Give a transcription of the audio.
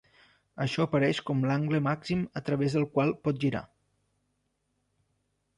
Això apareix com l'angle màxim a través del qual pot girar.